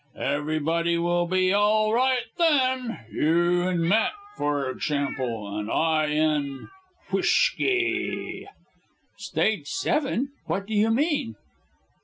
"Everybody will be all right then. You and Matt for exshample and I and and whishky!" "Stage seven! What do you mean?"